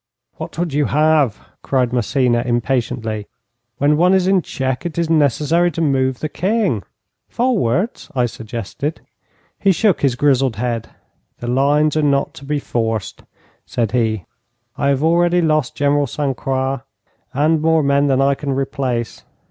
'What would you have?' cried Massena impatiently. 'When one is in check, it is necessary to move the king.' 'Forwards,' I suggested. He shook his grizzled head. 'The lines are not to be forced,' said he. 'I have already lost General St. Croix and more men than I can replace.